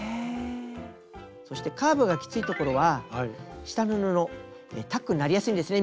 そしてカーブがきついところは下の布タックになりやすいんですね